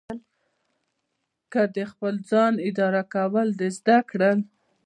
که د خپل ځان اداره کول دې زده کړل.